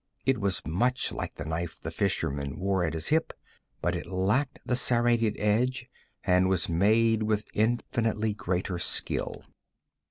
It was much like the knife the fisherman wore at his hip, but it lacked the serrated edge, and was made with infinitely greater skill.